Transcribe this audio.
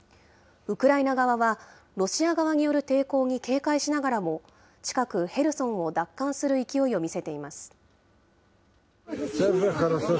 ウクライナ側は、ロシア側による抵抗に警戒しながらも、近く、ヘルソンを奪還する勢いを見せています。